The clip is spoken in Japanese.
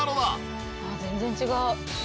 あっ全然違う。